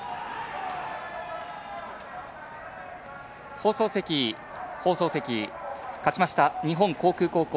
放送席、勝ちました日本航空高校